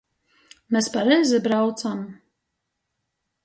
Mes pareizi braucam?